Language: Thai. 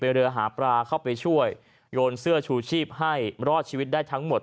เรือหาปลาเข้าไปช่วยโยนเสื้อชูชีพให้รอดชีวิตได้ทั้งหมด